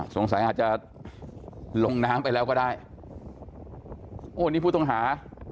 สงสัยอาจจะลงน้ำไปแล้วก็ได้โอ้นี่ผู้ต้องหา